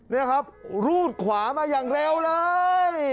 นี่ครับรูดขวามาอย่างเร็วเลย